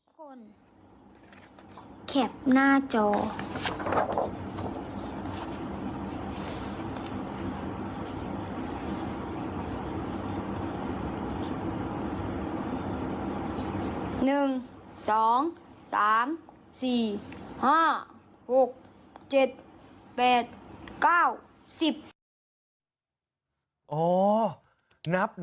แข็บหน้าจอ